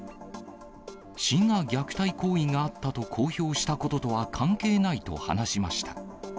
市が虐待行為があったと公表したこととは関係ないと話しました。